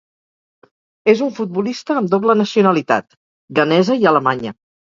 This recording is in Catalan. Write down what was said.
És un futbolista amb doble nacionalitat: ghanesa i alemanya.